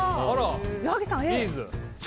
矢作さん、Ａ。